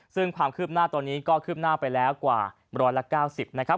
ซึ่งความคืบหน้าตอนนี้ก็คืบหน้าไปแล้วกว่า๑๙๐นะครับ